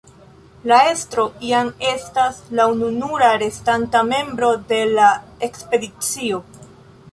La estro jam estas la ununura restanta membro de la ekspedicio.